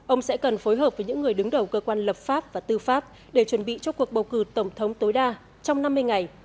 ông sẽ cần phối hợp với những người đứng đầu cơ quan lập pháp và tư pháp để chuẩn bị cho cuộc bầu cử tổng thống tối đa trong năm mươi ngày